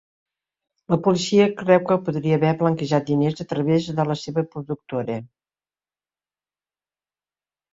La policia creu que podria haver blanquejat diners a través de la seva productora.